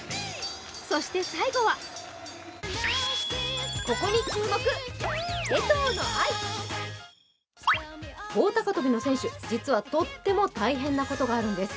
そして最後は棒高跳びの選手、実はとっても大変なことがあるんです。